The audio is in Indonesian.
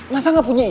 masa gak punya ide